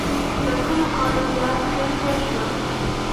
له سلو کالو زیات پرې تېر شول.